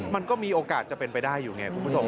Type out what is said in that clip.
มันก็มีโอกาสจะเป็นไปได้อยู่ไงคุณผู้ชม